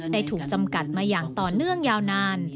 ถูกจำกัดมาอย่างต่อเนื่องยาวนาน